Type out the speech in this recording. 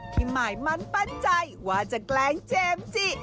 ที่หมายมันปัจจัยว่าจะแกล้งเจมส์จี้